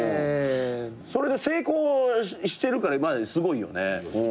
それで成功してるからまあすごいよね。